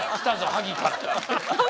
萩から。